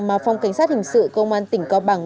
mà phòng cảnh sát hình sự công an tỉnh cao bằng